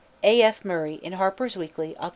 A. F. MURRAY _in Harper's Weekly, Oct.